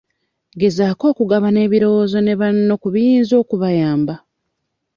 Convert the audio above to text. Gezaako okugabana ebirowoozo ne banno ku biyinza okubayamba.